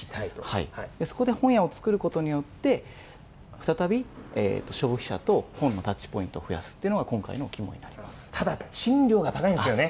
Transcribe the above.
そこで本屋を作ることによって、再び消費者と本のタッチポイントを増やすというのが、今回の肝にただ、賃料が高いんですよね。